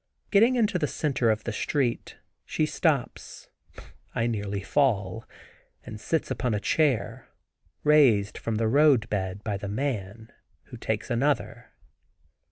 Getting into the center of the street, she stops, (I nearly fall) and sits upon a chair, raised from the road bed by the man, who takes another.